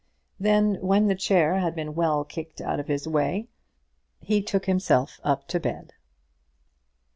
Then when the chair had been well kicked out of his way, he took himself up to bed.